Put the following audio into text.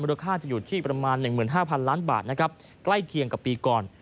มูลค่าจะอยู่ที่ประมาณหนึ่งหมื่นห้าพันล้านบาทนะครับใกล้เคียงกับปีก่อน